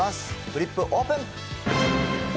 フリップオープン。